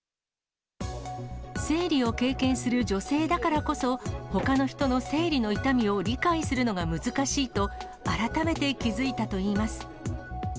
生理を経験する女性だからこそ、ほかの人の生理の痛みを理解するのが難しいと、改めて気付いたといいます。